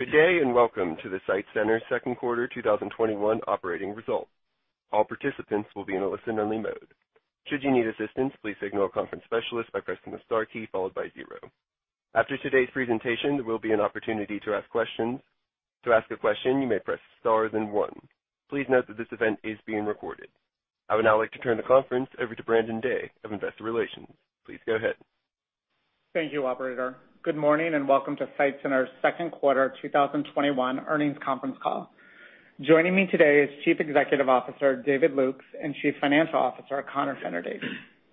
Good day, and welcome to the SITE Centers second quarter 2021 operating results. All participants will be in a listen-only mode. Should you need assistance, please signal a conference specialist by pressing the star key followed by zero. After today's presentation, there will be an opportunity to ask questions. To ask a question, you may press star then one. Please note that this event is being recorded. I would now like to turn the conference over to Brandon Day of Investor Relations. Please go ahead. Thank you, operator. Good morning and welcome to SITE Centers second quarter 2021 earnings conference call. Joining me today is Chief Executive Officer, David R. Lukes, and Chief Financial Officer, Conor M. Fennerty.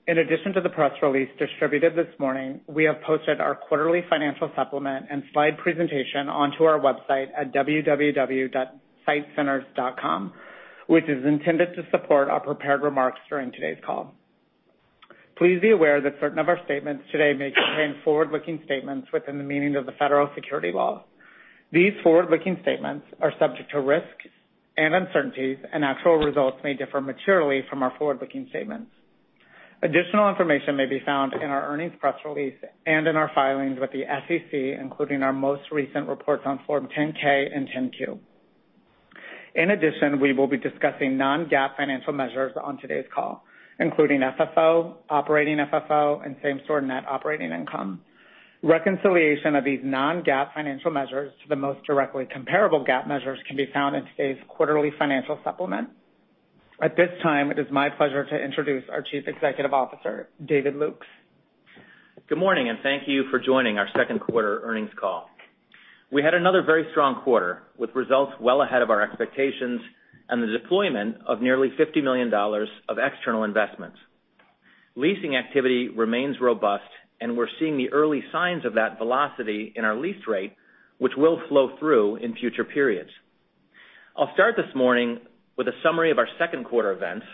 In addition to the press release distributed this morning, we have posted our quarterly financial supplement and slide presentation onto our website at www.sitecenters.com, which is intended to support our prepared remarks during today's call. Please be aware that certain of our statements today may contain forward-looking statements within the meaning of the Federal Securities laws. These forward-looking statements are subject to risks and uncertainties, and actual results may differ materially from our forward-looking statements. Additional information may be found in our earnings press release and in our filings with the SEC, including our most recent reports on Form 10-K and 10-Q. In addition, we will be discussing non-GAAP financial measures on today's call, including FFO, Operating FFO, and Same-Store Net Operating Income. Reconciliation of these non-GAAP financial measures to the most directly comparable GAAP measures can be found in today's quarterly financial supplement. At this time, it is my pleasure to introduce our Chief Executive Officer, David Lukes. Good morning, and thank you for joining our second quarter earnings call. We had another very strong quarter with results well ahead of our expectations and the deployment of nearly $50 million of external investments. Leasing activity remains robust, and we're seeing the early signs of that velocity in our lease rate, which will flow through in future periods. I'll start this morning with a summary of our second quarter events,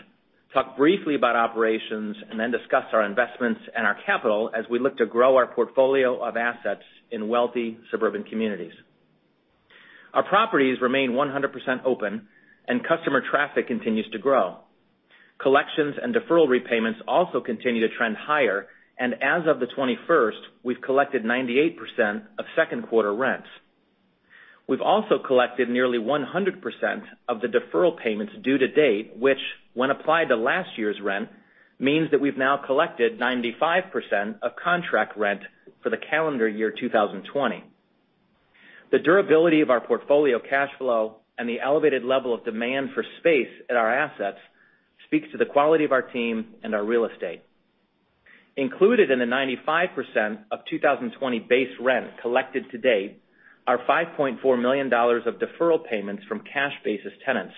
talk briefly about operations, and then discuss our investments and our capital as we look to grow our portfolio of assets in wealthy suburban communities. Our properties remain 100% open, and customer traffic continues to grow. Collections and deferral repayments also continue to trend higher, and as of the 21st, we've collected 98% of second quarter rents. We've also collected nearly 100% of the deferral payments due to date, which when applied to last year's rent, means that we've now collected 95% of contract rent for the calendar year 2020. The durability of our portfolio cash flow and the elevated level of demand for space at our assets speaks to the quality of our team and our real estate. Included in the 95% of 2020 base rent collected to date are $5.4 million of deferral payments from cash basis tenants.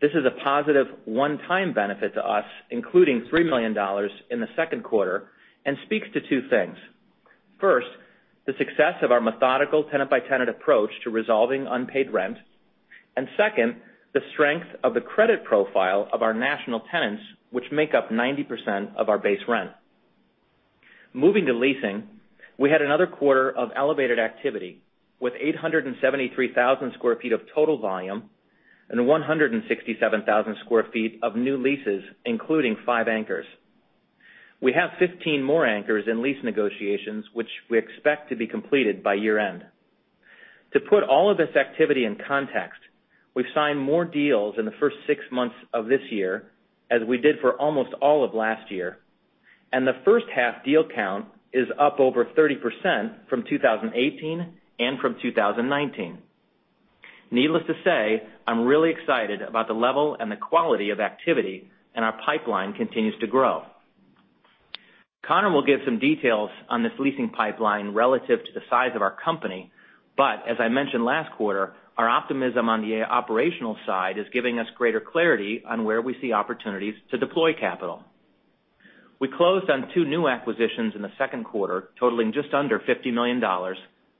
This is a positive one-time benefit to us, including $3 million in the second quarter, and speaks to two things. First, the success of our methodical tenant-by-tenant approach to resolving unpaid rent. Second, the strength of the credit profile of our national tenants, which make up 90% of our base rent. Moving to leasing, we had another quarter of elevated activity with 873,000 sq ft of total volume and 167,000 sq ft of new leases, including five anchors. We have 15 more anchors in lease negotiations, which we expect to be completed by year-end. To put all of this activity in context, we've signed more deals in the first six months of this year as we did for almost all of last year, and the first half deal count is up over 30% from 2018 and from 2019. Needless to say, I'm really excited about the level and the quality of activity, and our pipeline continues to grow. Conor will give some details on this leasing pipeline relative to the size of our company, but as I mentioned last quarter, our optimism on the operational side is giving us greater clarity on where we see opportunities to deploy capital. We closed on two new acquisitions in the second quarter, totaling just under $50 million,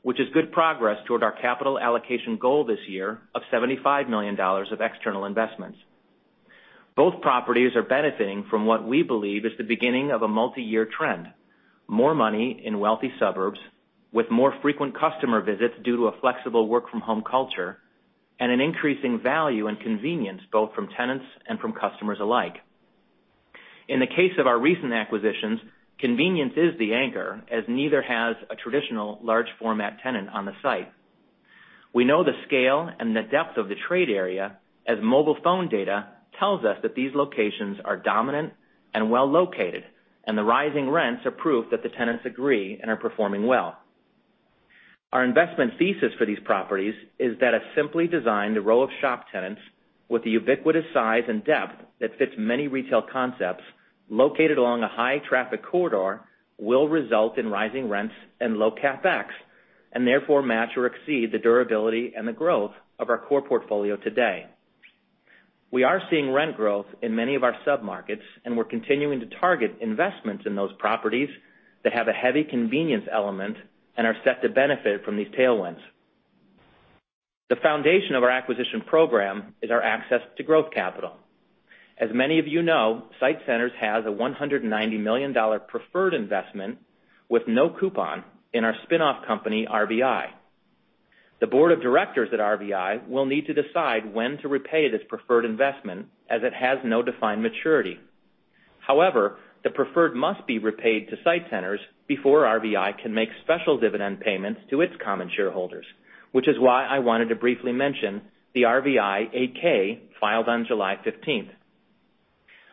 which is good progress toward our capital allocation goal this year of $75 million of external investments. Both properties are benefiting from what we believe is the beginning of a multi-year trend. More money in wealthy suburbs with more frequent customer visits due to a flexible work-from-home culture and an increasing value and convenience both from tenants and from customers alike. In the case of our recent acquisitions, convenience is the anchor, as neither has a traditional large format tenant on the site. We know the scale and the depth of the trade area as mobile phone data tells us that these locations are dominant and well-located, and the rising rents are proof that the tenants agree and are performing well. Our investment thesis for these properties is that a simply designed row of shop tenants with the ubiquitous size and depth that fits many retail concepts located along a high traffic corridor will result in rising rents and low CapEx, and therefore match or exceed the durability and the growth of our core portfolio today. We are seeing rent growth in many of our sub-markets, and we're continuing to target investments in those properties that have a heavy convenience element and are set to benefit from these tailwinds. The foundation of our acquisition program is our access to growth capital. As many of you know, SITE Centers has a $190 million preferred investment with no coupon in our spin-off company, RVI. The board of directors at RVI will need to decide when to repay this preferred investment as it has no defined maturity. However, the preferred must be repaid to SITE Centers before RVI can make special dividend payments to its common shareholders, which is why I wanted to briefly mention the RVI 8-K filed on July 15th.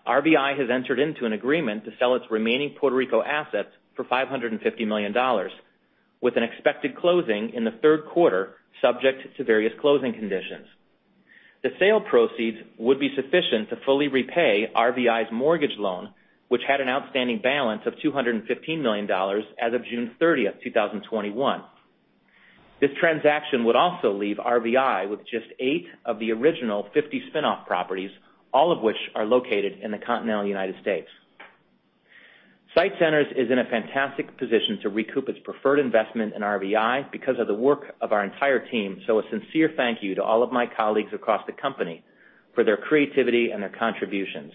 RVI has entered into an agreement to sell its remaining Puerto Rico assets for $550 million, with an expected closing in the third quarter, subject to various closing conditions. The sale proceeds would be sufficient to fully repay RVI's mortgage loan, which had an outstanding balance of $215 million as of June 30th, 2021. This transaction would also leave RVI with just eight of the original 50 spin-off properties, all of which are located in the continental United States. SITE Centers is in a fantastic position to recoup its preferred investment in RVI because of the work of our entire team, so a sincere thank you to all of my colleagues across the company for their creativity and their contributions.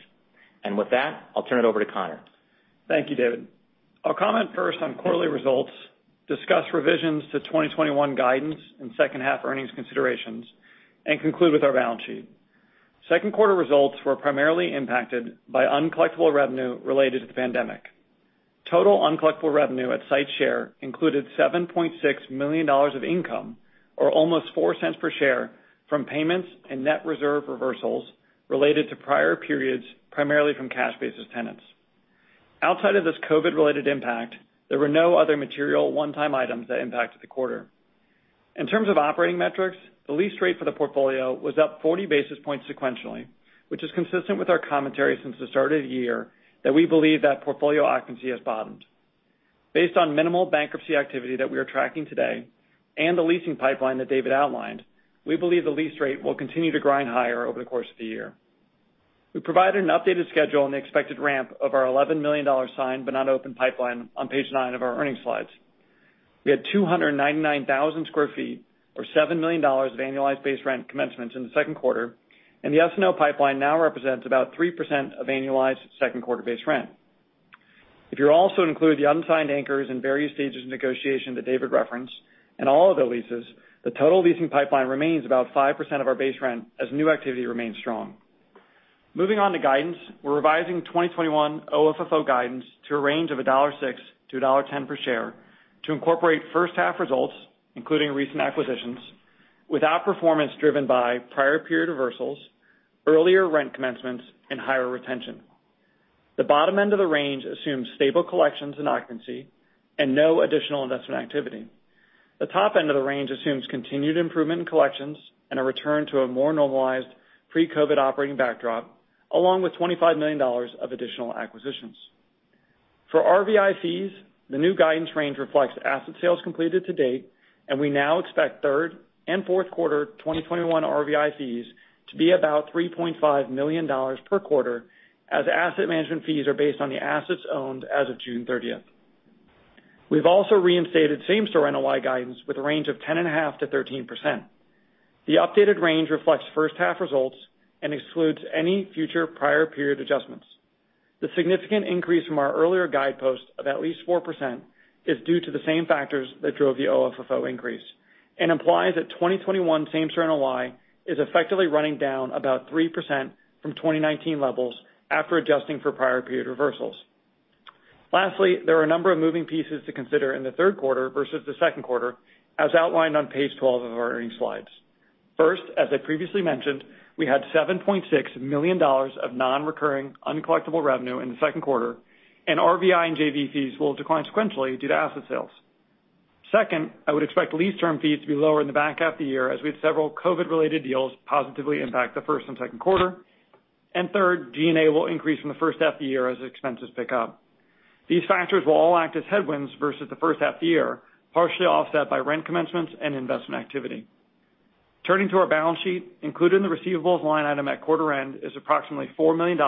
With that, I'll turn it over to Conor. Thank you, David. I'll comment first on quarterly results, discuss revisions to 2021 guidance and second half earnings considerations, and conclude with our balance sheet. Second quarter results were primarily impacted by uncollectible revenue related to the pandemic. Total uncollectible revenue at SITE share included $7.6 million of income, or almost $0.04 per share from payments and net reserve reversals related to prior periods, primarily from cash-basis tenants. Outside of this COVID-related impact, there were no other material one-time items that impacted the quarter. In terms of operating metrics, the lease rate for the portfolio was up 40 basis points sequentially, which is consistent with our commentary since the start of the year, that we believe that portfolio occupancy has bottomed. Based on minimal bankruptcy activity that we are tracking today and the leasing pipeline that David outlined, we believe the lease rate will continue to grind higher over the course of the year. We provided an updated schedule on the expected ramp of our $11 million signed-but-not-opened pipeline on page nine of our earnings slides. We had 299,000 sq ft, or $7 million of annualized base rent commencements in the second quarter, and the SNO pipeline now represents about 3% of annualized second quarter base rent. If you also include the unsigned anchors in various stages of negotiation that David referenced and all other leases, the total leasing pipeline remains about 5% of our base rent as new activity remains strong. Moving on to guidance, we're revising 2021 OFFO guidance to a range of $1.06-$1.10 per share to incorporate first half results, including recent acquisitions, with outperformance driven by prior period reversals, earlier rent commencements, and higher retention. The bottom end of the range assumes stable collections and occupancy and no additional investment activity. The top end of the range assumes continued improvement in collections and a return to a more normalized pre-COVID operating backdrop, along with $25 million of additional acquisitions. For RVI fees, the new guidance range reflects asset sales completed to date. We now expect third and fourth quarter 2021 RVI fees to be about $3.5 million per quarter as asset management fees are based on the assets owned as of June 30th. We've also reinstated same-store NOI guidance with a range of 10.5%-13%. The updated range reflects first half results and excludes any future prior period adjustments. The significant increase from our earlier guidepost of at least 4% is due to the same factors that drove the OFFO increase and implies that 2021 same-store NOI is effectively running down about 3% from 2019 levels after adjusting for prior period reversals. There are a number of moving pieces to consider in the third quarter versus the second quarter, as outlined on page 12 of our earnings slides. As I previously mentioned, we had $7.6 million of non-recurring, uncollectible revenue in the second quarter, and RVI and JV fees will decline sequentially due to asset sales. I would expect lease term fees to be lower in the back half of the year, as we had several COVID-related deals positively impact the first and second quarter. Third, G&A will increase from the first half of the year as expenses pick up. These factors will all act as headwinds versus the first half of the year, partially offset by rent commencements and investment activity. Turning to our balance sheet, included in the receivables line item at quarter end is approximately $4 million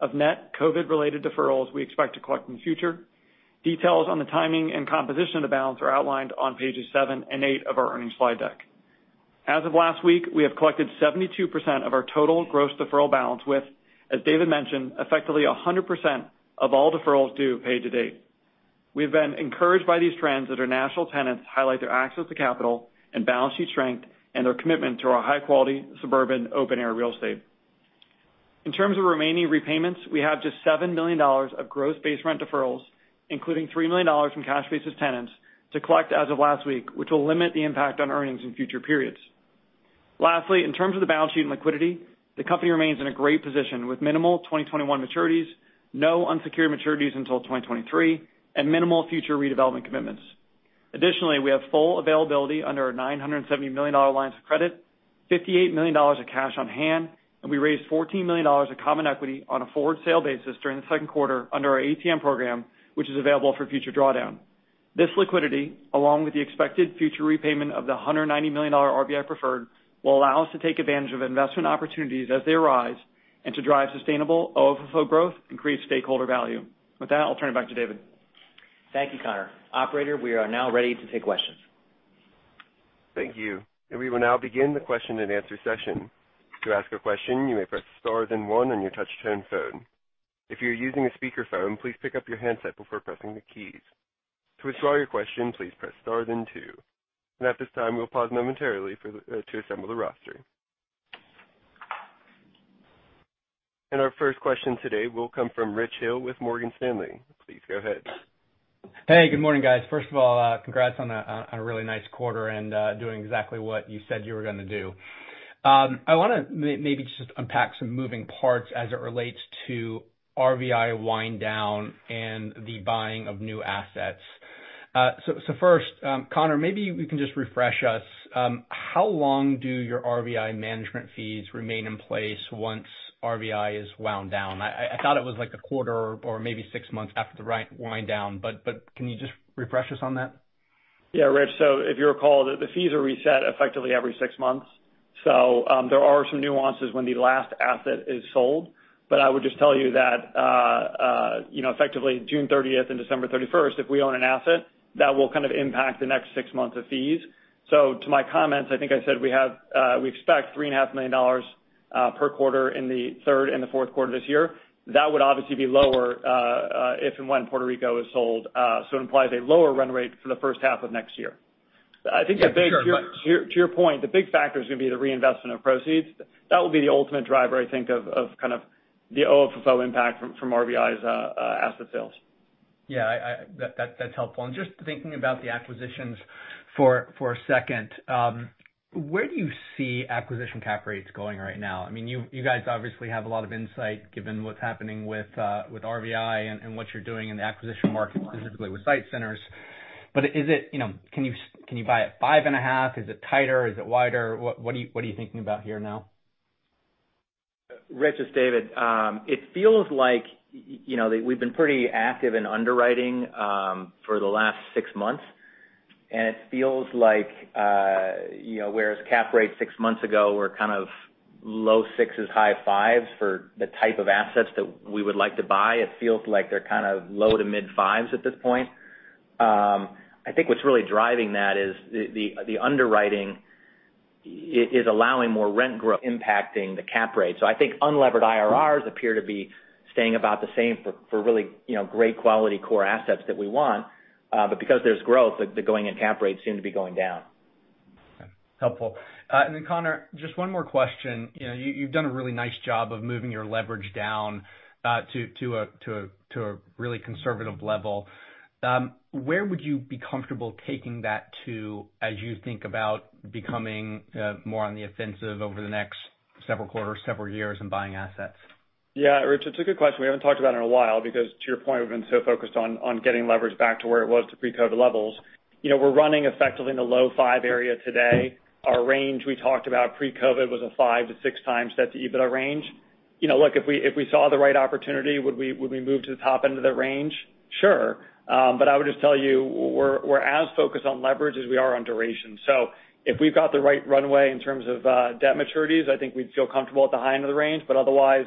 of net COVID-related deferrals we expect to collect in the future. Details on the timing and composition of the balance are outlined on pages seven and eight of our earnings slide deck. As of last week, we have collected 72% of our total gross deferral balance with, as David mentioned, effectively 100% of all deferrals due paid to date. We have been encouraged by these trends that our national tenants highlight their access to capital and balance sheet strength and their commitment to our high-quality suburban open-air real estate. In terms of remaining repayments, we have just $7 million of gross base rent deferrals, including $3 million from cash-basis tenants, to collect as of last week, which will limit the impact on earnings in future periods. Lastly, in terms of the balance sheet and liquidity, SITE Centers remains in a great position with minimal 2021 maturities, no unsecured maturities until 2023, and minimal future redevelopment commitments. Additionally, we have full availability under our $970 million lines of credit, $58 million of cash on hand, and we raised $14 million of common equity on a forward sale basis during the second quarter under our ATM program, which is available for future drawdown. This liquidity, along with the expected future repayment of the $190 million RVI preferred, will allow us to take advantage of investment opportunities as they arise and to drive sustainable OFFO growth and create stakeholder value. With that, I'll turn it back to David. Thank you, Conor. Operator, we are now ready to take questions. Thank you. We will now begin the question and answer session. To ask a question, you may press star then one on your touch-tone phone. If you're using a speakerphone, please pick up your handset before pressing the keys. To withdraw your question, please press star then two. At this time, we'll pause momentarily to assemble the roster. Our first question today will come from Richard Hill with Morgan Stanley. Please go ahead. Hey, good morning, guys. First of all, congrats on a really nice quarter and doing exactly what you said you were going to do. First, Conor, maybe you can just refresh us. How long do your RVI management fees remain in place once RVI is wound down? I thought it was like a quarter or maybe six months after the wind down, can you just refresh us on that? Rich. If you recall, the fees are reset effectively every six months. There are some nuances when the last asset is sold. I would just tell you that effectively June 30th and December 31st, if we own an asset, that will kind of impact the next six months of fees. To my comments, I think I said we expect $3.5 million per quarter in the third and the fourth quarter this year. That would obviously be lower, if and when Puerto Rico is sold, so it implies a lower run rate for the first half of next year. I think to your point, the big factor is going to be the reinvestment of proceeds. That will be the ultimate driver, I think of kind of the OFFO impact from RVI's asset sales. Yeah, that's helpful. Just thinking about the acquisitions for a second, where do you see acquisition cap rates going right now? You guys obviously have a lot of insight given what's happening with RVI and what you're doing in the acquisition market, specifically with SITE Centers. Can you buy at 5.5%? Is it tighter? Is it wider? What are you thinking about here now? Rich, it's David. It feels like we've been pretty active in underwriting for the last six months, it feels like whereas cap rates six months ago were kind of low 6s, high 5s for the type of assets that we would like to buy, it feels like they're kind of low to mid 5s at this point. I think what's really driving that is the underwriting is allowing more rent growth impacting the cap rate. I think unlevered IRRs appear to be staying about the same for really great quality core assets that we want. Because there's growth, the going-in cap rates seem to be going down. Helpful. Conor, just one more question. You've done a really nice job of moving your leverage down to a really conservative level. Where would you be comfortable taking that to, as you think about becoming more on the offensive over the next several quarters, several years, and buying assets? Yeah, Rich, it's a good question. We haven't talked about it in a while because to your point, we've been so focused on getting leverage back to where it was to pre-COVID levels. We're running effectively in the low five area today. Our range we talked about pre-COVID was a five or six times Debt-to-EBITDA range. Look, if we saw the right opportunity, would we move to the top end of the range? Sure. I would just tell you, we're as focused on leverage as we are on duration. If we've got the right runway in terms of debt maturities, I think we'd feel comfortable at the high end of the range. Otherwise,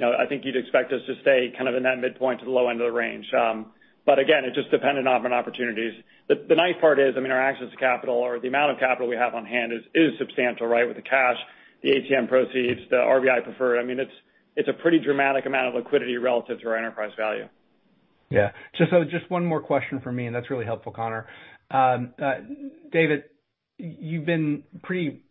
I think you'd expect us to stay kind of in that midpoint to the low end of the range. Again, it just depended on opportunities. The nice part is, our access to capital or the amount of capital we have on hand is substantial, right. With the cash, the ATM proceeds, the RVI preferred. It's a pretty dramatic amount of liquidity relative to our enterprise value. Yeah. Just one more question from me, and that's really helpful, Conor. David, you've been pretty,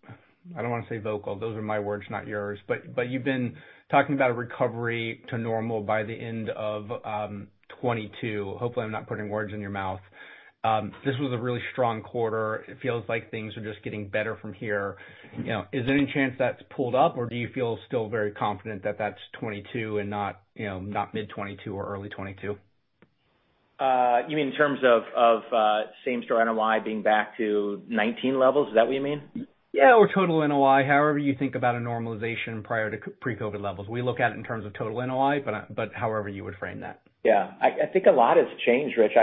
I don't want to say vocal, those are my words, not yours, but you've been talking about a recovery to normal by the end of 2022. Hopefully, I'm not putting words in your mouth. This was a really strong quarter. It feels like things are just getting better from here. Is there any chance that's pulled up or do you feel still very confident that that's 2022 and not mid-2022 or early 2022? You mean in terms of same-store NOI being back to 2019 levels? Is that what you mean? Yeah. Total NOI. However you think about a normalization prior to pre-COVID levels. We look at it in terms of total NOI, but however you would frame that. Yeah. I think a lot has changed, Rich.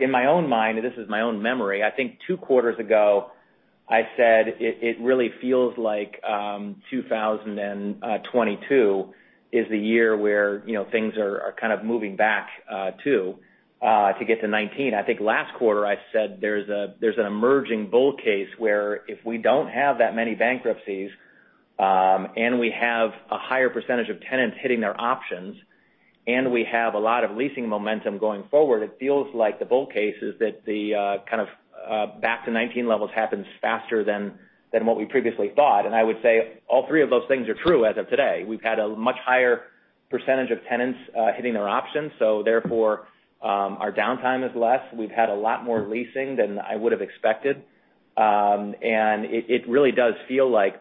In my own mind, this is my own memory. I think two quarters ago, I said it really feels like 2022 is the year where things are kind of moving back to get to 2019. I think last quarter I said there's an emerging bull case where if we don't have that many bankruptcies, and we have a higher percentage of tenants hitting their options, and we have a lot of leasing momentum going forward, it feels like the bull case is that the kind of back to 2019 levels happens faster than what we previously thought. I would say all three of those things are true as of today. We've had a much higher percentage of tenants hitting their options, so therefore, our downtime is less. We've had a lot more leasing than I would have expected. It really does feel like,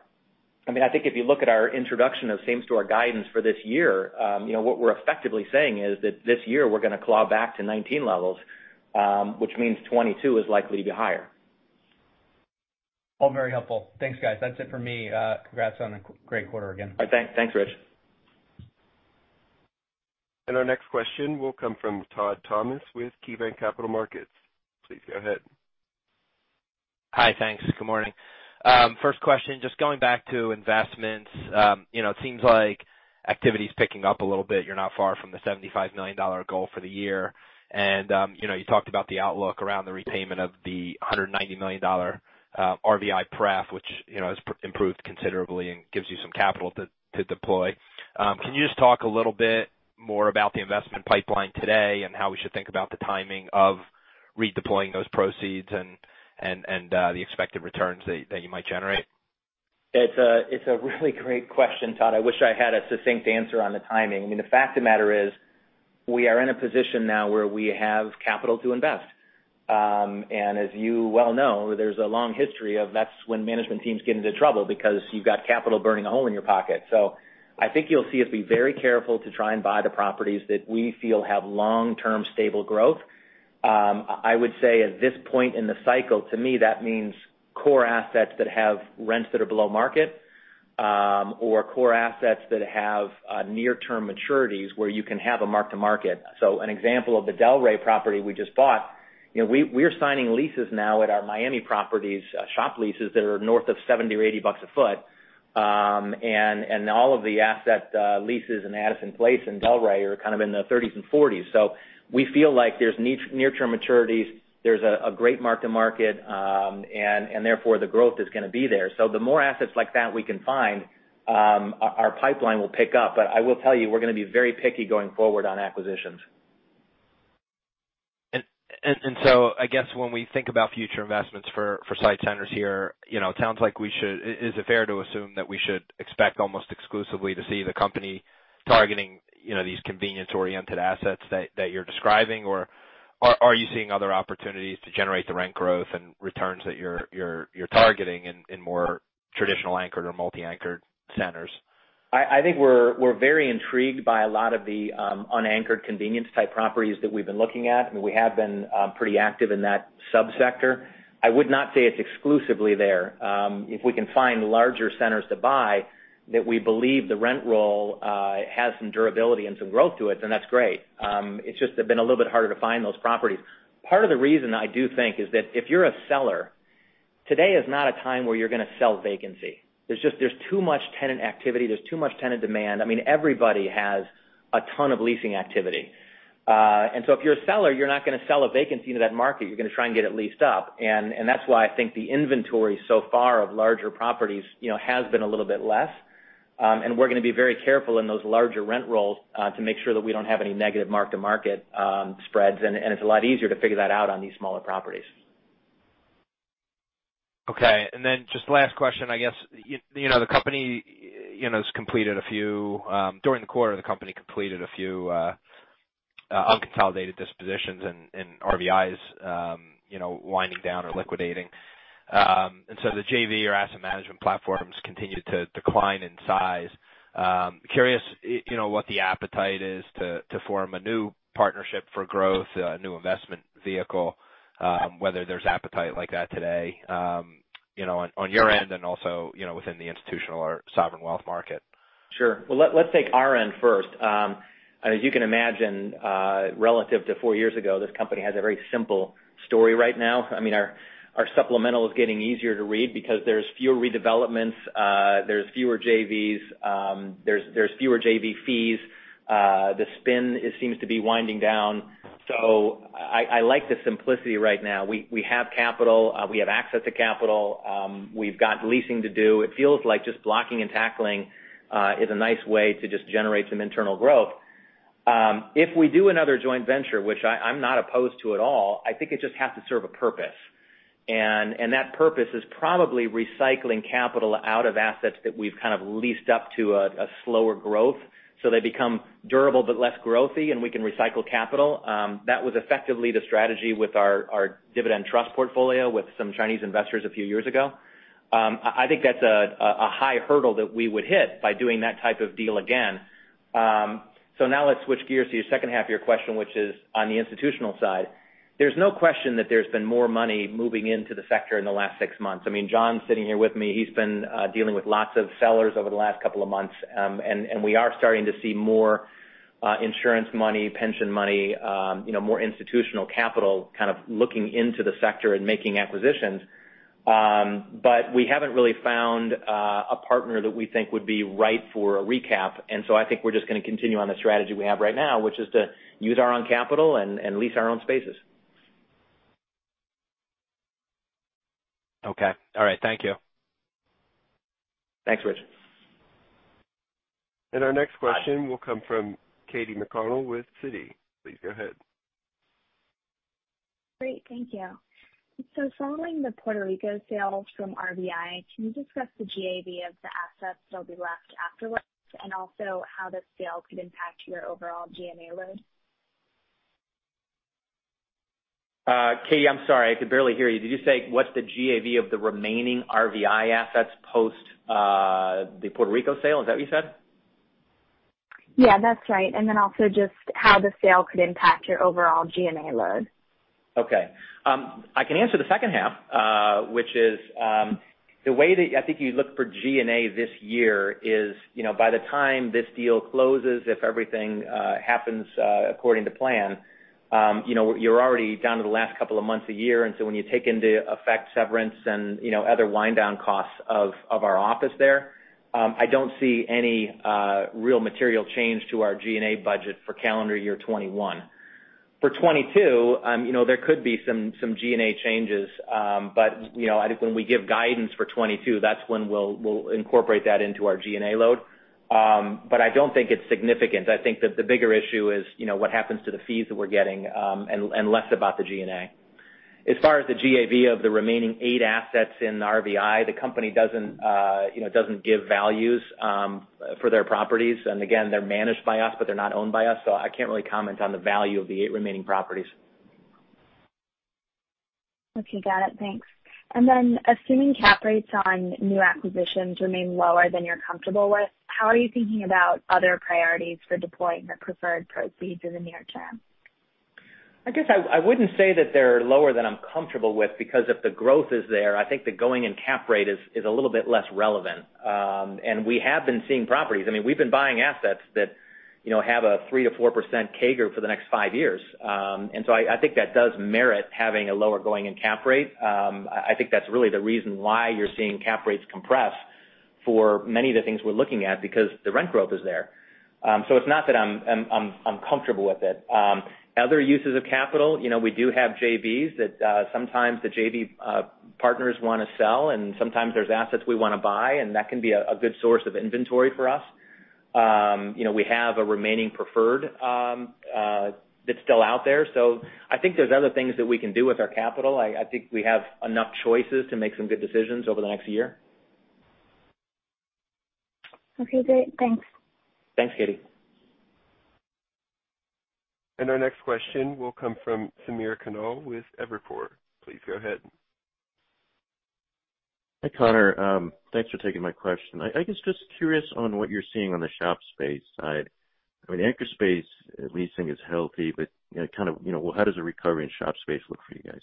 I think if you look at our introduction of same-store guidance for this year, what we're effectively saying is that this year we're going to claw back to 2019 levels. Which means 2022 is likely to be higher. All very helpful. Thanks, guys. That's it for me. Congrats on a great quarter again. Thanks, Rich. Our next question will come from Todd Thomas with KeyBanc Capital Markets. Please go ahead. Hi, thanks. Good morning. First question, just going back to investments. It seems like activity's picking up a little bit. You're not far from the $75 million goal for the year. You talked about the outlook around the repayment of the $190 million RVI pref, which has improved considerably and gives you some capital to deploy. Can you just talk a little bit more about the investment pipeline today and how we should think about the timing of redeploying those proceeds and the expected returns that you might generate? It's a really great question, Todd. I wish I had a succinct answer on the timing. The fact of the matter is, we are in a position now where we have capital to invest. As you well know, there's a long history of that's when management teams get into trouble because you've got capital burning a hole in your pocket. I think you'll see us be very careful to try and buy the properties that we feel have long-term stable growth. I would say at this point in the cycle, to me, that means core assets that have rents that are below market, or core assets that have near-term maturities where you can have a mark-to-market. An example of the Delray property we just bought, we're signing leases now at our Miami properties, shop leases that are north of $70 or $80 a foot. All of the asset leases in Addison Place and Delray are kind of in the 30s and 40s. We feel like there's near-term maturities, there's a great mark-to-market, and therefore the growth is going to be there. The more assets like that we can find, our pipeline will pick up. I will tell you, we're going to be very picky going forward on acquisitions. I guess when we think about future investments for SITE Centers here, is it fair to assume that we should expect almost exclusively to see the company targeting these convenience-oriented assets that you're describing? Or are you seeing other opportunities to generate the rent growth and returns that you're targeting in more traditional anchored or multi-anchored centers? I think we're very intrigued by a lot of the unanchored convenience-type properties that we've been looking at, and we have been pretty active in that sub-sector. I would not say it's exclusively there. If we can find larger centers to buy that we believe the rent roll has some durability and some growth to it, then that's great. It's just been a little bit harder to find those properties. Part of the reason I do think is that if you're a seller, today is not a time where you're going to sell vacancy. There's too much tenant activity. There's too much tenant demand. Everybody has a ton of leasing activity. If you're a seller, you're not going to sell a vacancy into that market. You're going to try and get it leased up. That's why I think the inventory so far of larger properties has been a little bit less. We're going to be very careful in those larger rent rolls to make sure that we don't have any negative mark-to-market spreads. It's a lot easier to figure that out on these smaller properties. Okay. Just last question, I guess. During the quarter, the company completed a few unconsolidated dispositions in RVI winding down or liquidating. The JV or asset management platforms continued to decline in size. Curious what the appetite is to form a new partnership for growth, a new investment vehicle, whether there's appetite like that today on your end and also within the institutional or sovereign wealth market? Sure. Well, let's take our end first. As you can imagine, relative to four years ago, this company has a very simple story right now. Our supplemental is getting easier to read because there's fewer redevelopments. There's fewer JVs. There's fewer JV fees. The spin seems to be winding down. I like the simplicity right now. We have capital. We have access to capital. We've got leasing to do. It feels like just blocking and tackling is a nice way to just generate some internal growth. If we do another joint venture, which I'm not opposed to at all, I think it just has to serve a purpose. That purpose is probably recycling capital out of assets that we've kind of leased up to a slower growth. They become durable but less growthy, and we can recycle capital. That was effectively the strategy with our dividend trust portfolio with some Chinese investors a few years ago. I think that's a high hurdle that we would hit by doing that type of deal again. Now let's switch gears to the second half of your question, which is on the institutional side. There's no question that there's been more money moving into the sector in the last six months. John's sitting here with me. He's been dealing with lots of sellers over the last couple of months, and we are starting to see more insurance money, pension money, more institutional capital kind of looking into the sector and making acquisitions. We haven't really found a partner that we think would be right for a recap. I think we're just going to continue on the strategy we have right now, which is to use our own capital and lease our own spaces. Okay. All right. Thank you. Thanks, Rich. Our next question will come from Katy McConnell with Citi. Please go ahead. Great. Thank you. Following the Puerto Rico sales from RVI, can you discuss the GAV of the assets that'll be left afterwards? Also how the sale could impact your overall G&A load? Katy, I'm sorry. I could barely hear you. Did you say what's the GAV of the remaining RVI assets post the Puerto Rico sale? Is that what you said? Yeah, that's right. Also just how the sale could impact your overall G&A load. Okay. I can answer the second half, which is the way that I think you look for G&A this year is by the time this deal closes, if everything happens according to plan, you're already down to the last couple of months of the year. When you take into effect severance and other wind-down costs of our office there, I don't see any real material change to our G&A budget for calendar year 2021. For 2022, there could be some G&A changes. When we give guidance for 2022, that's when we'll incorporate that into our G&A load. I don't think it's significant. I think that the bigger issue is what happens to the fees that we're getting and less about the G&A. As far as the GAV of the remaining eight assets in RVI, the company doesn't give values for their properties. They're managed by us, but they're not owned by us, so I can't really comment on the value of the eight remaining properties. Okay, got it. Thanks. Assuming cap rates on new acquisitions remain lower than you're comfortable with, how are you thinking about other priorities for deploying the preferred proceeds in the near term? I guess I wouldn't say that they're lower than I'm comfortable with, because if the growth is there, I think the going and cap rate is a little bit less relevant. We have been seeing properties. We've been buying assets that have a 3%-4% CAGR for the next five years. I think that does merit having a lower going and cap rate. I think that's really the reason why you're seeing cap rates compress for many of the things we're looking at, because the rent growth is there. It's not that I'm comfortable with it. Other uses of capital, we do have JVs that sometimes the JV partners want to sell, and sometimes there's assets we want to buy, and that can be a good source of inventory for us. We have a remaining preferred that's still out there. I think there's other things that we can do with our capital. I think we have enough choices to make some good decisions over the next year. Okay, great. Thanks. Thanks, Katy. Our next question will come from Samir Khanal with Evercore. Please go ahead. Hi, Conor. Thanks for taking my question. I guess just curious on what you're seeing on the shop space side. Anchor space leasing is healthy, but how does a recovery in shop space look for you guys?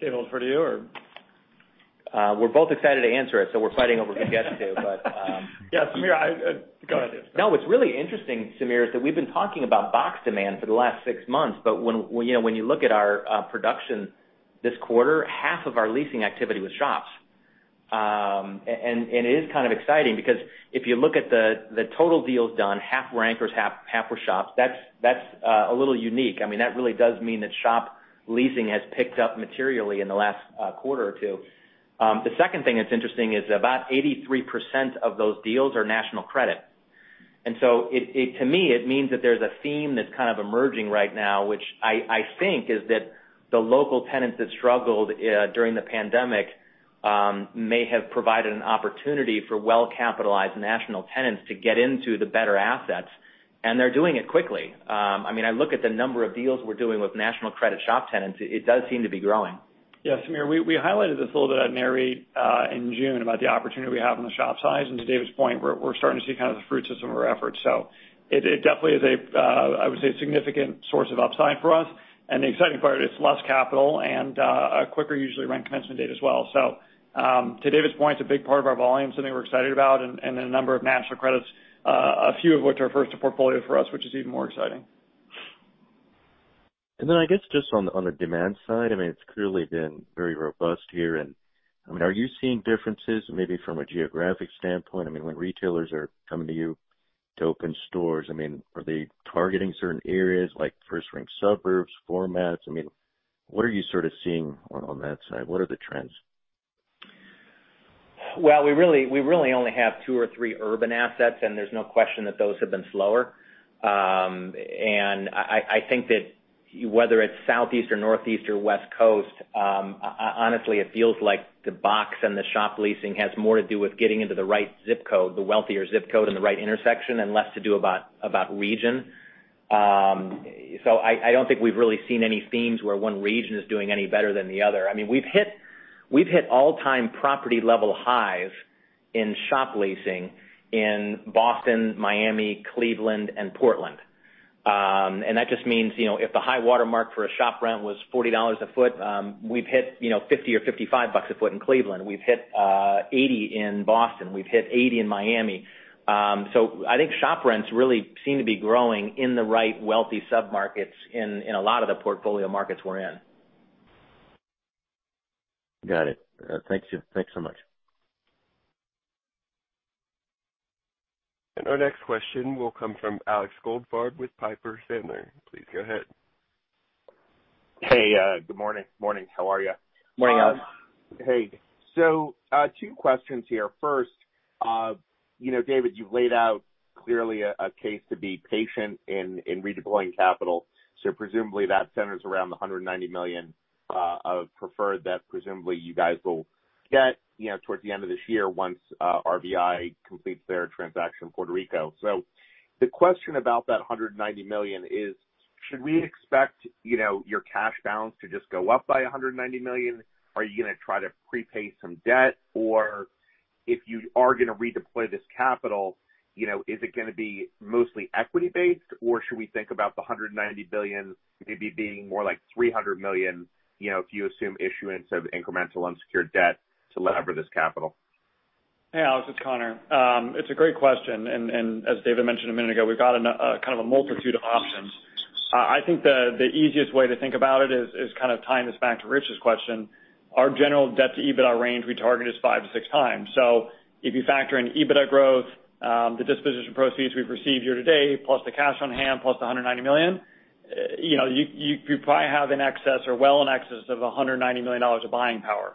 David, over to you or. We're both excited to answer it, so we're fighting over who gets to. Samir, go ahead. No, what's really interesting, Samir, is that we've been talking about box demand for the last six months. When you look at our production this quarter, half of our leasing activity was shops. It is kind of exciting because if you look at the total deals done, half were anchors, half were shops. That's a little unique. That really does mean that shop leasing has picked up materially in the last quarter or two. The second thing that's interesting is about 83% of those deals are national credit. To me, it means that there's a theme that's kind of emerging right now, which I think is that the local tenants that struggled during the pandemic may have provided an opportunity for well-capitalized national tenants to get into the better assets, and they're doing it quickly. I look at the number of deals we're doing with national credit shop tenants. It does seem to be growing. Samir, we highlighted this a little bit at NAREIT in June about the opportunity we have on the shop side. To David's point, we're starting to see kind of the fruits of some of our efforts. It definitely is, I would say, a significant source of upside for us. The exciting part is it's less capital and a quicker usually rent commencement date as well. To David's point, it's a big part of our volume, something we're excited about, and a number of national credits, a few of which are first to portfolio for us, which is even more exciting. I guess just on the demand side, it's clearly been very robust here. Are you seeing differences maybe from a geographic standpoint? When retailers are coming to you to open stores, are they targeting certain areas like first-rank suburbs, formats? What are you sort of seeing on that side? What are the trends? Well, we really only have two or three urban assets, and there's no question that those have been slower. I think that whether it's Southeast or Northeast or West Coast, honestly, it feels like the box and the shop leasing has more to do with getting into the right ZIP code, the wealthier ZIP code, and the right intersection, and less to do about region. I don't think we've really seen any themes where one region is doing any better than the other. We've hit all-time property level highs in shop leasing in Boston, Miami, Cleveland, and Portland. That just means if the high water mark for a shop rent was $40 a foot, we've hit $50 or $55 a foot in Cleveland. We've hit $80 in Boston. We've hit $80 in Miami. I think shop rents really seem to be growing in the right wealthy sub-markets in a lot of the portfolio markets we're in. Got it. Thank you. Thanks so much. Our next question will come from Alexander Goldfarb with Piper Sandler. Please go ahead. Hey, good morning. Morning. How are you? Morning, Alex. Two questions here. First, David, you've laid out clearly a case to be patient in redeploying capital. Presumably, that centers around the $190 million of preferred that presumably you guys will get towards the end of this year once RVI completes their transaction in Puerto Rico. The question about that $190 million is, should we expect your cash balance to just go up by $190 million? Are you going to try to prepay some debt? If you are going to redeploy this capital, is it going to be mostly equity-based, or should we think about the $190 million maybe being more like $300 million, if you assume issuance of incremental unsecured debt to lever this capital? Hey, Alex, it's Conor. It's a great question. As David mentioned a minute ago, we've got kind of a multitude of options. I think the easiest way to think about it is kind of tying this back to Rich's question. Our general debt-to-EBITDA range we target is five to six times. If you factor in EBITDA growth, the disposition proceeds we've received year to date, plus the cash on hand, plus the $190 million, you probably have in excess or well in excess of $190 million of buying power.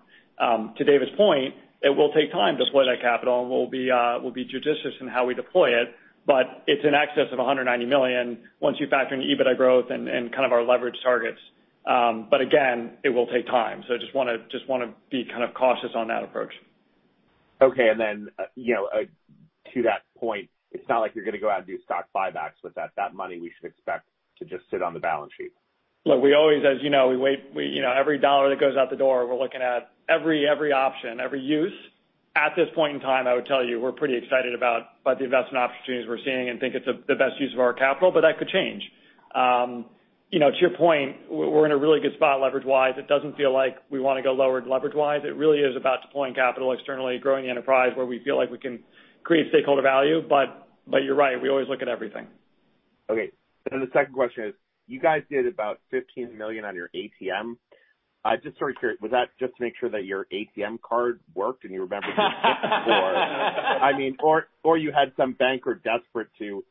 To David's point, it will take time to deploy that capital, and we'll be judicious in how we deploy it's in excess of $190 million once you factor in EBITDA growth and kind of our leverage targets. Again, it will take time. I just want to be kind of cautious on that approach. Okay. To that point, it's not like you're going to go out and do stock buybacks with that. That money we should expect to just sit on the balance sheet. Look, we always, as you know, every dollar that goes out the door, we're looking at every option, every use. At this point in time, I would tell you, we're pretty excited about the investment opportunities we're seeing and think it's the best use of our capital. That could change. To your point, we're in a really good spot leverage-wise. It doesn't feel like we want to go lower leverage-wise. It really is about deploying capital externally, growing the enterprise where we feel like we can create stakeholder value. You're right, we always look at everything. Okay. The second question is, you guys did about $15 million on your ATM. Just sort of curious, was that just to make sure that your ATM card worked or you had some banker desperate to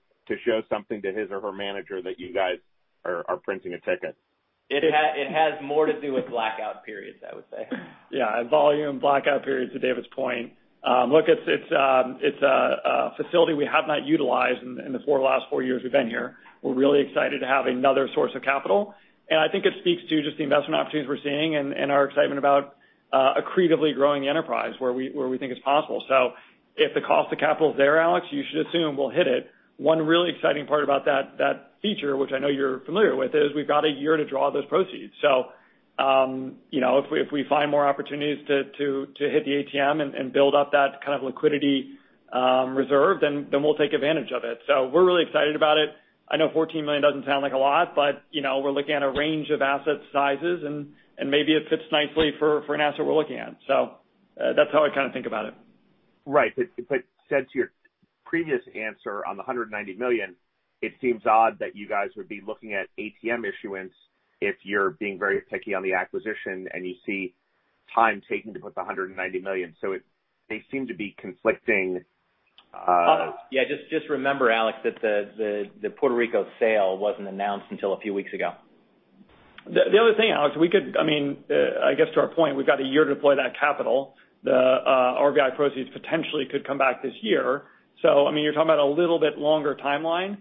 show something to his or her manager that you guys are printing a ticket? It has more to do with blackout periods, I would say. Yeah. Volume blackout periods, to David's point. Look, it's a facility we have not utilized in the last four years we've been here. We're really excited to have another source of capital, and I think it speaks to just the investment opportunities we're seeing and our excitement about accretively growing the enterprise where we think it's possible. If the cost of capital is there, Alex, you should assume we'll hit it. One really exciting part about that feature, which I know you're familiar with, is we've got a year to draw those proceeds. If we find more opportunities to hit the ATM and build up that kind of liquidity reserve, then we'll take advantage of it. We're really excited about it. I know $14 million doesn't sound like a lot, but we're looking at a range of asset sizes, and maybe it fits nicely for an asset we're looking at. That's how I kind of think about it. Right. Said to your previous answer on the $190 million, it seems odd that you guys would be looking at ATM issuance if you're being very picky on the acquisition and you see time taken to put the $190 million. They seem to be conflicting. Yeah, just remember, Alex, that the Puerto Rico sale wasn't announced until a few weeks ago. The other thing, Alex, I guess to our point, we've got a year to deploy that capital. The RVI proceeds potentially could come back this year. You're talking about a little bit longer timeline.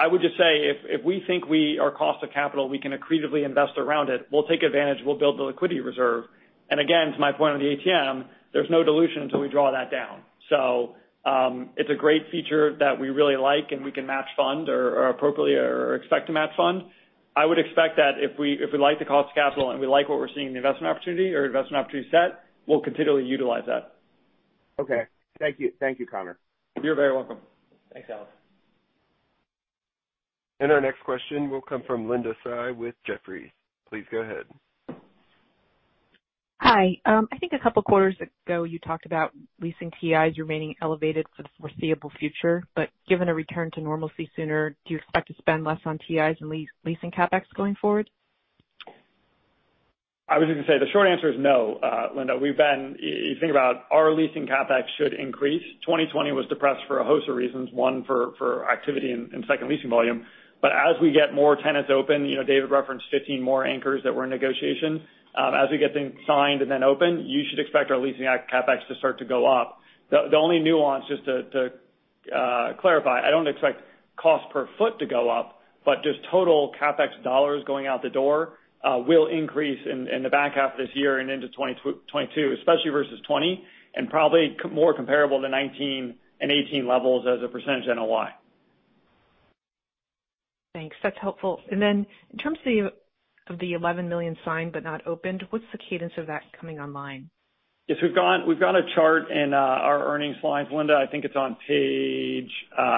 I would just say, if we think our cost of capital, we can accretively invest around it, we'll take advantage. We'll build the liquidity reserve. Again, to my point on the ATM, there's no dilution until we draw that down. It's a great feature that we really like, and we can match fund or appropriately or expect to match fund. I would expect that if we like the cost of capital and we like what we're seeing in the investment opportunity or investment opportunity set, we'll continually utilize that. Okay. Thank you, Conor. You're very welcome. Thanks, Alex. Our next question will come from Linda Tsai with Jefferies. Please go ahead. Hi. I think a couple of quarters ago, you talked about leasing TIs remaining elevated for the foreseeable future, but given a return to normalcy sooner, do you expect to spend less on TIs and leasing CapEx going forward? I was going to say, the short answer is no, Linda. If you think about our leasing CapEx should increase. 2020 was depressed for a host of reasons. One, for activity and second leasing volume. As we get more tenants open, David referenced 15 more anchors that were in negotiation. As we get things signed and then open, you should expect our leasing CapEx to start to go up. The only nuance, just to clarify, I don't expect cost per foot to go up, but just total CapEx dollars going out the door will increase in the back half of this year and into 2022, especially versus 2020, and probably more comparable to 2019 and 2018 levels as a percentage of NOI. Thanks. That's helpful. In terms of the $11 million signed but not opened, what's the cadence of that coming online? Yes, we've got a chart in our earnings slides, Linda. I think it's on page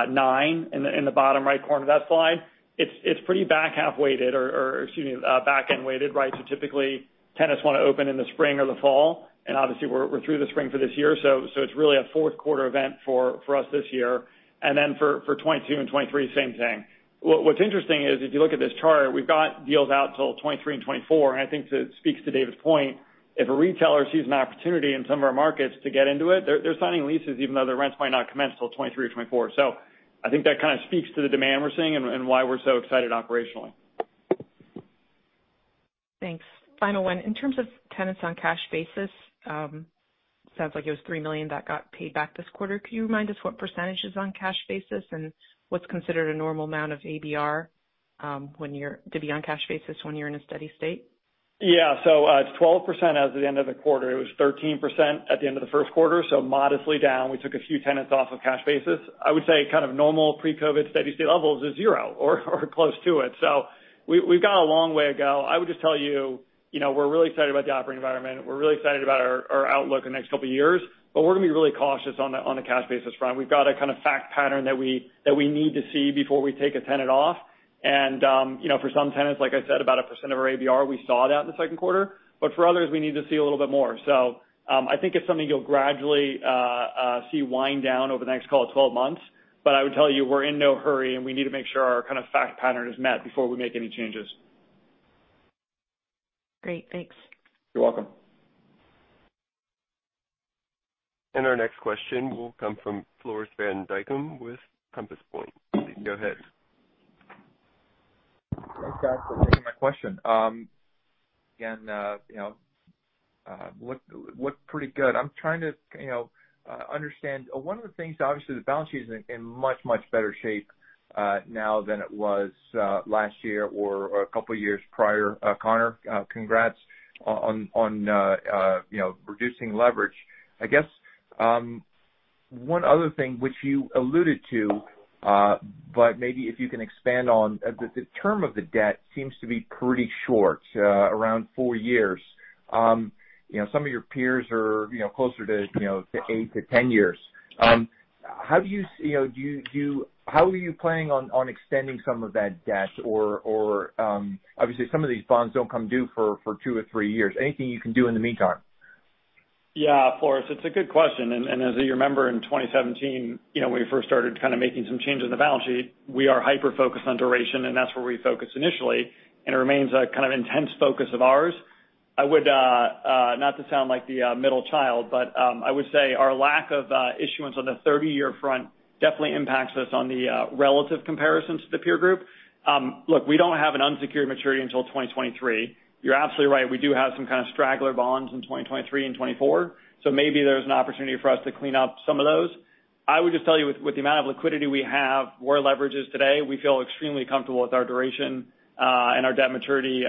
nine in the bottom right corner of that slide. It's pretty back end weighted, right? Typically, tenants want to open in the spring or the fall, and obviously we're through the spring for this year, so it's really a fourth quarter event for us this year. For 2022 and 2023, same thing. What's interesting is, if you look at this chart, we've got deals out till 2023 and 2024, and I think it speaks to David's point. If a retailer sees an opportunity in some of our markets to get into it, they're signing leases even though their rents might not commence till 2023 or 2024. I think that kind of speaks to the demand we're seeing and why we're so excited operationally. Thanks. Final one. In terms of tenants on cash basis, sounds like it was $3 million that got paid back this quarter. Could you remind us what percentage is on cash basis and what's considered a normal amount of ABR to be on cash basis when you're in a steady state? It's 12% as of the end of the quarter. It was 13% at the end of the first quarter, so modestly down. We took a few tenants off of cash basis. I would say kind of normal pre-COVID steady-state levels is zero or close to it. We've got a long way to go. I would just tell you, we're really excited about the operating environment. We're really excited about our outlook the next two years, but we're going to be really cautious on the cash basis front. We've got a kind of fact pattern that we need to see before we take a tenant off. For some tenants, like I said, about 1% of our ABR, we saw that in the second quarter. For others, we need to see a little bit more. I think it's something you'll gradually see wind down over the next, call it 12 months. I would tell you, we're in no hurry, and we need to make sure our kind of fact pattern is met before we make any changes. Great. Thanks. You're welcome. Our next question will come from Floris van Dijkum with Compass Point. Please go ahead. Thanks, guys, for taking my question. Again, looked pretty good. I'm trying to understand. One of the things, obviously, the balance sheet is in much, much better shape now than it was last year or a couple of years prior, Conor. Congrats on reducing leverage. One other thing which you alluded to, but maybe if you can expand on. The term of the debt seems to be pretty short, around four years. Some of your peers are closer to 8-10 years. How are you planning on extending some of that debt? Obviously, some of these bonds don't come due for two or three years. Anything you can do in the meantime? Yeah, Floris, it's a good question, and as you remember, in 2017, when we first started kind of making some changes in the balance sheet, we are hyper-focused on duration, and that's where we focused initially, and it remains a kind of intense focus of ours. Not to sound like the middle child, but I would say our lack of issuance on the 30-year front definitely impacts us on the relative comparisons to the peer group. Look, we don't have an unsecured maturity until 2023. You're absolutely right, we do have some kind of straggler bonds in 2023 and 2024. Maybe there's an opportunity for us to clean up some of those. I would just tell you with the amount of liquidity we have, where our leverage is today, we feel extremely comfortable with our duration, and our debt maturity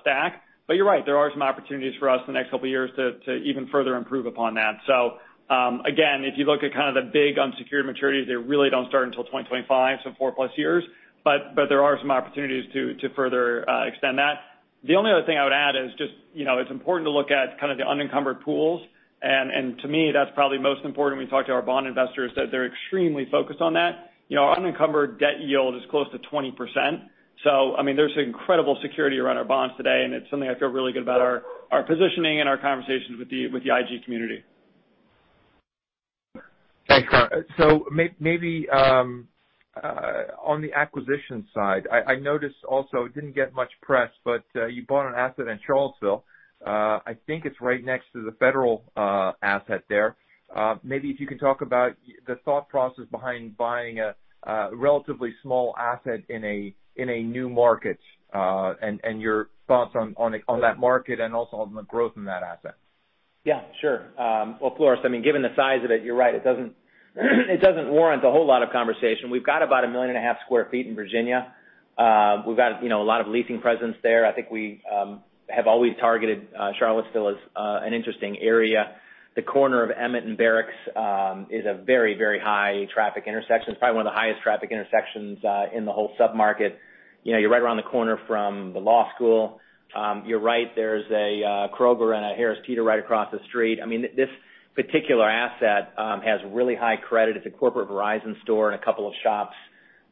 stack. You're right, there are some opportunities for us in the next couple of years to even further improve upon that. Again, if you look at kind of the big unsecured maturities, they really don't start until 2025, 4+ years. There are some opportunities to further extend that. The only other thing I would add is just it's important to look at kind of the unencumbered pools, and to me, that's probably most important when we talk to our bond investors, that they're extremely focused on that. Our unencumbered debt yield is close to 20%. I mean, there's incredible security around our bonds today, and it's something I feel really good about our positioning and our conversations with the IG community. Thanks, Conor. Maybe on the acquisition side. I noticed also, it didn't get much press, but you bought an asset in Charlottesville. I think it's right next to the federal asset there. Maybe if you can talk about the thought process behind buying a relatively small asset in a new market, and your thoughts on that market and also on the growth in that asset. Yeah, sure. Well, Floris, I mean, given the size of it, you're right, it doesn't warrant a whole lot of conversation. We've got about 1.5 million sq ft in Virginia. We've got a lot of leasing presence there. I think we have always targeted Charlottesville as an interesting area. The corner of Emmet and Barracks is a very high traffic intersection. It's probably one of the highest traffic intersections in the whole sub-market. You're right around the corner from the law school. You're right, there's a Kroger and a Harris Teeter right across the street. I mean, this particular asset has really high credit. It's a corporate Verizon store and couple of shops.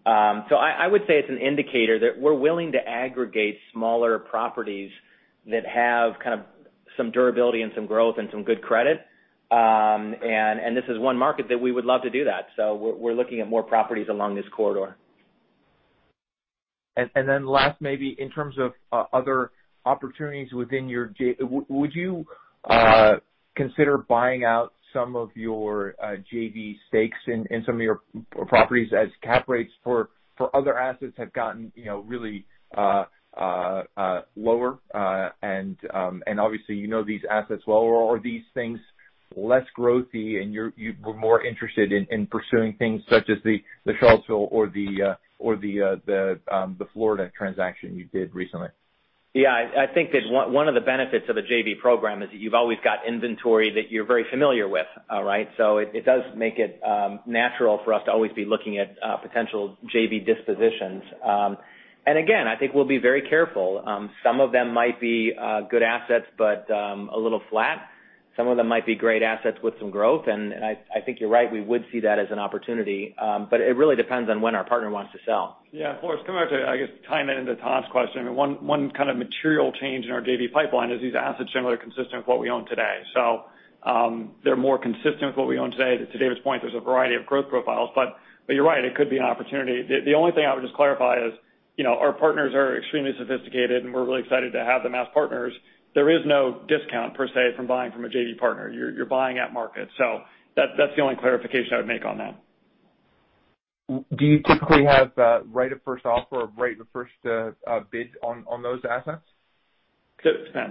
I would say it's an indicator that we're willing to aggregate smaller properties that have kind of some durability and some growth and some good credit. This is one market that we would love to do that. We're looking at more properties along this corridor. Last, maybe in terms of other opportunities within your, would you consider buying out some of your JV stakes in some of your properties as cap rates for other assets have gotten really lower? Obviously, you know these assets well. Are these things less growthy and you were more interested in pursuing things such as the Charlottesville or the Florida transaction you did recently? Yeah, I think that one of the benefits of a JV program is that you've always got inventory that you're very familiar with. It does make it natural for us to always be looking at potential JV dispositions. Again, I think we'll be very careful. Some of them might be good assets, but a little flat. Some of them might be great assets with some growth, and I think you're right, we would see that as an opportunity. It really depends on when our partner wants to sell. Yeah, Floris, coming back to, I guess, tying it into Todd's question, one kind of material change in our JV pipeline is these assets generally are consistent with what we own today. They're more consistent with what we own today. To David's point, there's a variety of growth profiles. You're right, it could be an opportunity. The only thing I would just clarify is our partners are extremely sophisticated, and we're really excited to have them as partners. There is no discount per se from buying from a JV partner. You're buying at market. That's the only clarification I would make on that. Do you typically have right of first offer or right of first bid on those assets?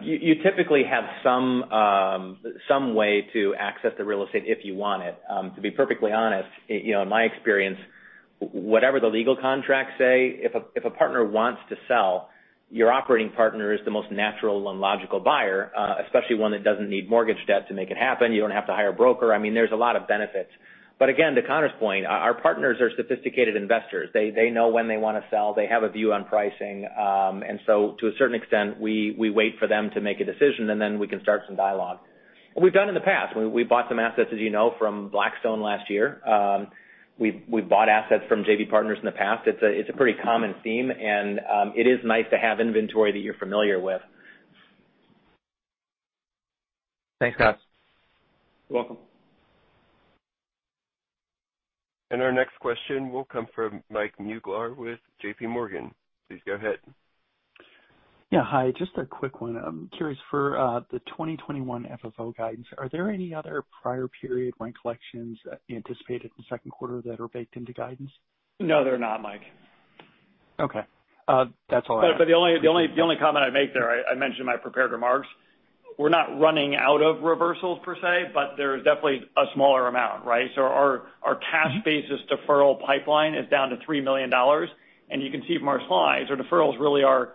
You typically have some way to access the real estate if you want it. To be perfectly honest, in my experience, whatever the legal contracts say, if a partner wants to sell, your operating partner is the most natural and logical buyer, especially one that doesn't need mortgage debt to make it happen. You don't have to hire a broker. I mean, there's a lot of benefits. Again, to Conor's point, our partners are sophisticated investors. They know when they want to sell. They have a view on pricing. To a certain extent, we wait for them to make a decision, and then we can start some dialogue. We've done it in the past. We bought some assets, as you know, from Blackstone last year. We've bought assets from JV partners in the past. It's a pretty common theme, and it is nice to have inventory that you're familiar with. Thanks, guys. You're welcome. Our next question will come from Michael Mueller with JPMorgan. Please go ahead. Yeah. Hi. Just a quick one. I'm curious for the 2021 FFO guidance. Are there any other prior period rent collections anticipated in the second quarter that are baked into guidance? No, they're not, Mike. Okay. That's all I had. The only comment I'd make there, I mentioned in my prepared remarks. We're not running out of reversals per se, but there's definitely a smaller amount, right? Our cash basis deferral pipeline is down to $3 million. You can see from our slides, our deferrals really are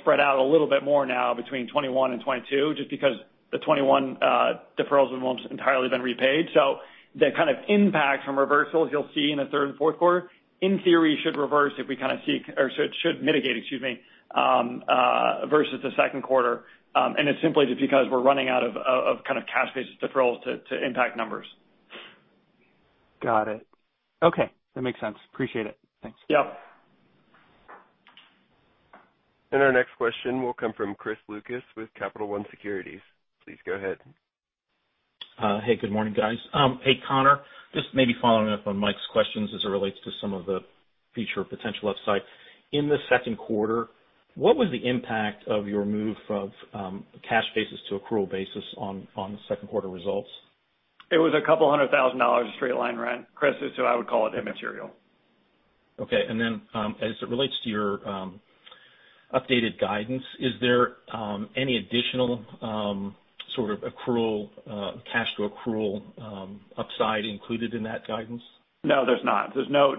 spread out a little bit more now between 2021 and 2022, just because the 2021 deferrals have almost entirely been repaid. The kind of impact from reversals you'll see in the third and fourth quarter, in theory, should mitigate versus the second quarter. It's simply just because we're running out of kind of cash basis deferrals to impact numbers. Got it. Okay. That makes sense. Appreciate it. Thanks. Yep. Our next question will come from Chris Lucas with Capital One Securities. Please go ahead. Hey, good morning, guys. Hey, Conor, just maybe following up on Mike's questions as it relates to some of the future potential upside. In the second quarter, what was the impact of your move from cash basis to accrual basis on the second quarter results? It was $200,000 of straight line rent, Chris, so I would call it immaterial. Okay. As it relates to your updated guidance, is there any additional sort of cash to accrual upside included in that guidance? No, there's not. There's no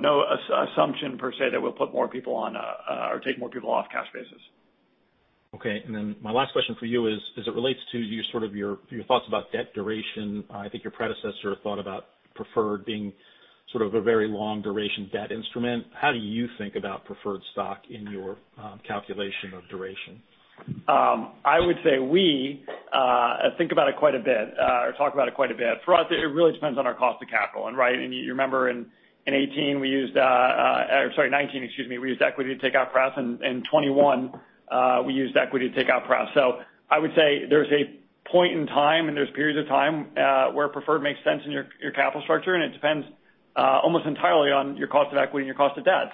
assumption per se that we'll put more people on or take more people off cash basis. Okay. My last question for you is, as it relates to sort of your thoughts about debt duration, I think your predecessor thought about preferred being sort of a very long duration debt instrument. How do you think about preferred stock in your calculation of duration? I would say we think about it quite a bit, or talk about it quite a bit. For us, it really depends on our cost of capital, right? You remember in 2019 we used equity to take out pref, and in 2021, we used equity to take out pref. I would say there's a point in time, and there's periods of time, where preferred makes sense in your capital structure, and it depends almost entirely on your cost of equity and your cost of debt.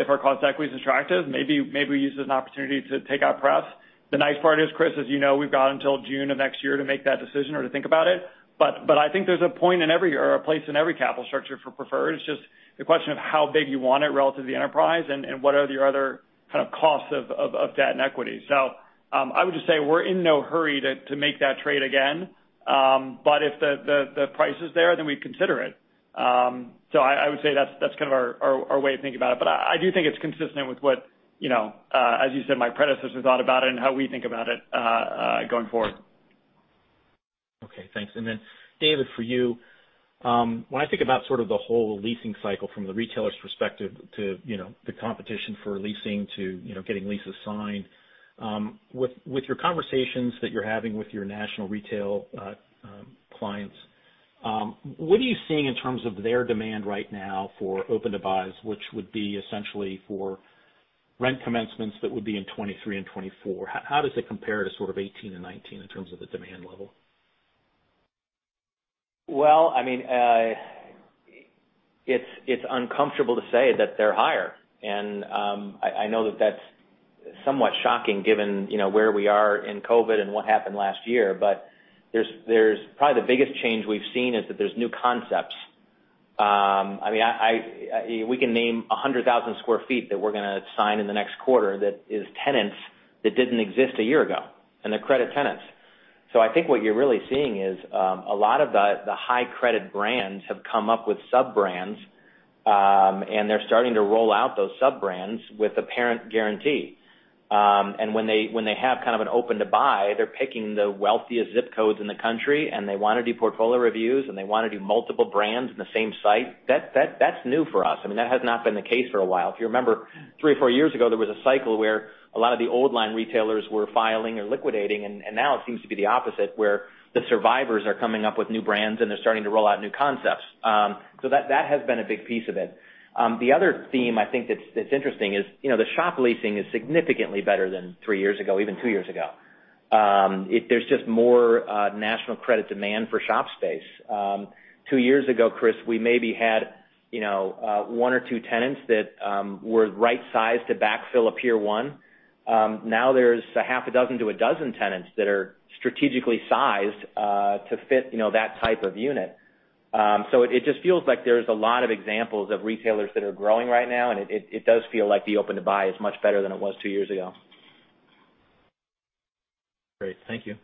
If our cost of equity is attractive, maybe we use it as an opportunity to take out pref. The nice part is, Chris, as you know, we've got until June of next year to make that decision or to think about it. I think there's a point in every year or a place in every capital structure for preferred. It's just the question of how big you want it relative to the enterprise and what are your other kind of costs of debt and equity. I would just say we're in no hurry to make that trade again. If the price is there, then we'd consider it. I would say that's kind of our way of thinking about it. I do think it's consistent with what, as you said, my predecessor thought about it and how we think about it going forward. Okay, thanks. David, for you, when I think about sort of the whole leasing cycle from the retailer's perspective to the competition for leasing to getting leases signed. With your conversations that you're having with your national retail clients, what are you seeing in terms of their demand right now for open to buys, which would be essentially for rent commencements that would be in 2023 and 2024? How does it compare to sort of 2018 and 2019 in terms of the demand level? Well, it's uncomfortable to say that they're higher. I know that that's somewhat shocking given where we are in COVID and what happened last year. Probably the biggest change we've seen is that there's new concepts. We can name 100,000 sq ft that we're going to sign in the next quarter that is tenants that didn't exist a year ago, and they're credit tenants. I think what you're really seeing is, a lot of the high credit brands have come up with sub-brands, and they're starting to roll out those sub-brands with a parent guarantee. When they have kind of an open to buy, they're picking the wealthiest zip codes in the country, and they want to do portfolio reviews, and they want to do multiple brands in the same site. That's new for us. That has not been the case for a while. If you remember, three or four years ago, there was a cycle where a lot of the old-line retailers were filing or liquidating, and now it seems to be the opposite, where the survivors are coming up with new brands, and they're starting to roll out new concepts. That has been a big piece of it. The other theme I think that's interesting is the shop leasing is significantly better than three years ago, even two years ago. There's just more national credit demand for shop space. Two years ago, Chris Lucas, we maybe had one or two tenants that were right-sized to backfill a Pier 1. Now there's a half a dozen to a dozen tenants that are strategically sized to fit that type of unit. It just feels like there's a lot of examples of retailers that are growing right now, and it does feel like the open to buy is much better than it was two years ago. Great. Thank you.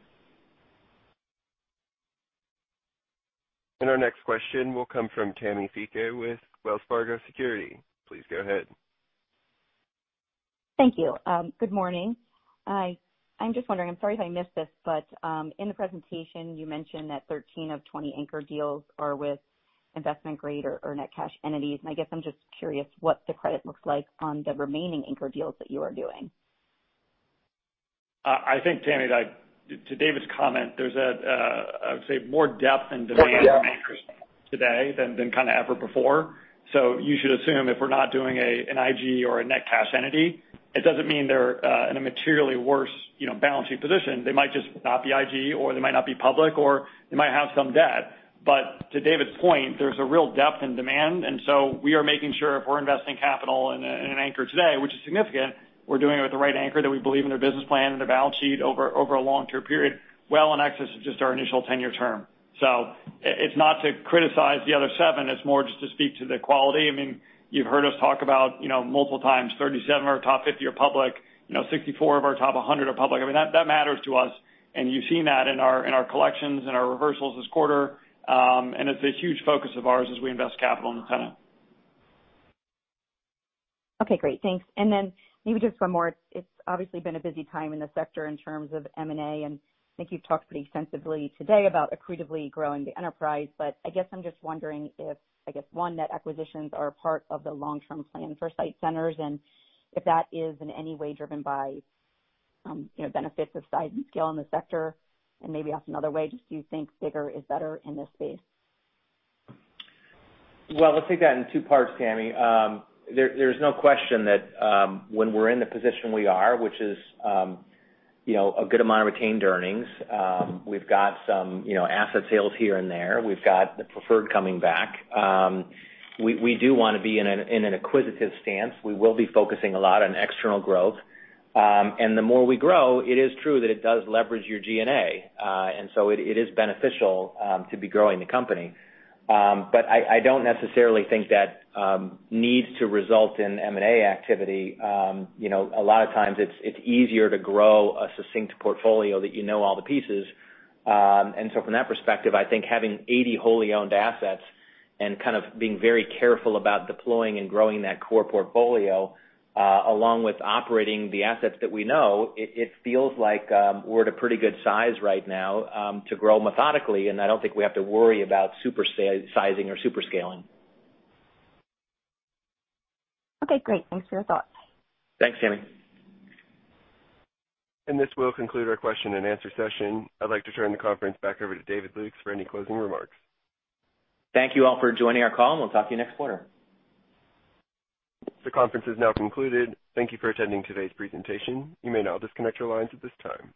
Our next question will come from Tammi Fique with Wells Fargo Securities. Please go ahead. Thank you. Good morning. I'm just wondering, I'm sorry if I missed this, but in the presentation, you mentioned that 13 of 20 anchor deals are with investment grade or net cash entities. I guess I'm just curious what the credit looks like on the remaining anchor deals that you are doing. I think Tammi, to David's comment, there's I would say more depth and demand from anchors today than kind of ever before. You should assume if we're not doing an IG or a net cash entity, it doesn't mean they're in a materially worse balancing position. They might just not be IG, or they might not be public, or they might have some debt. To David's point, there's a real depth in demand, and so we are making sure if we're investing capital in an anchor today, which is significant, we're doing it with the right anchor that we believe in their business plan and their balance sheet over a long-term period, well in excess of just our initial 10-year term. It's not to criticize the other seven, it's more just to speak to the quality. You've heard us talk about multiple times, 37 of our top 50 are public, 64 of our top 100 are public. That matters to us, and you've seen that in our collections and our reversals this quarter. It's a huge focus of ours as we invest capital in the tenant. Okay, great. Thanks. Then maybe just one more. It's obviously been a busy time in the sector in terms of M&A, and I think you've talked pretty extensively today about accretively growing the enterprise. I guess I'm just wondering if, I guess, one, net acquisitions are a part of the long-term plan for SITE Centers, and if that is in any way driven by benefits of size and scale in the sector. Maybe asked another way, just do you think bigger is better in this space? Well, let's take that in two parts, Tammi. There's no question that when we're in the position we are, which is a good amount of retained earnings. We've got some asset sales here and there. We've got the preferred coming back. We do want to be in an acquisitive stance. We will be focusing a lot on external growth. The more we grow, it is true that it does leverage your G&A, and so it is beneficial to be growing the company. I don't necessarily think that needs to result in M&A activity. A lot of times it's easier to grow a succinct portfolio that you know all the pieces. From that perspective, I think having 80 wholly owned assets and kind of being very careful about deploying and growing that core portfolio, along with operating the assets that we know, it feels like we're at a pretty good size right now to grow methodically, and I don't think we have to worry about super sizing or super scaling. Okay, great. Thanks for your thoughts. Thanks, Tammi. This will conclude our question and answer session. I'd like to turn the conference back over to David Lukes for any closing remarks. Thank you all for joining our call, and we'll talk to you next quarter. The conference is now concluded. Thank you for attending today's presentation. You may now disconnect your lines at this time.